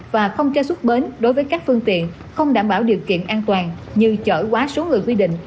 và không cho xuất bến đối với các phương tiện không đảm bảo điều kiện an toàn như chở quá số người quy định